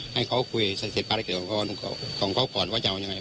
ให้เขาคุยเสร็จภารกิจของเขาก่อนว่าจะเอายังไง